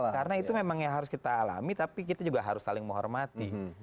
karena itu memang yang harus kita alami tapi kita juga harus saling menghormati